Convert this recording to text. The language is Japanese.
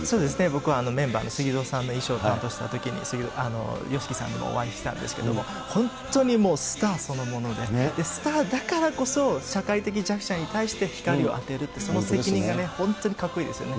僕はメンバーのスギゾーさんの衣装を担当したときに、ＹＯＳＨＩＫＩさんにお会いしたんですけれども、本当にスターそのもので、スターだからこそ、社会的弱者に対して光を当てるって、その責任が本当にかっこいいですよね。